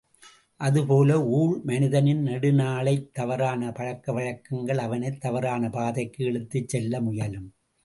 அதுபோல, ஊழ், மனிதனின் நெடுநாளையத் தவறான பழக்கவழக்கங்கள் அவனைத் தவறான பாதைக்கு இழுத்துச் செல்ல முயலும்.